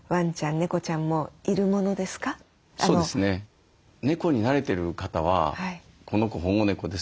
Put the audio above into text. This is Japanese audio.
猫になれてる方は「この子保護猫です。